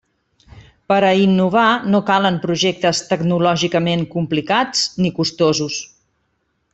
Per a innovar no calen projectes tecnològicament complicats ni costosos.